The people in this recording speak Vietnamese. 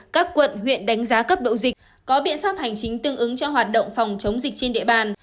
các quận huyện đánh giá cấp độ dịch có biện pháp hành chính tương ứng cho hoạt động phòng chống dịch trên địa bàn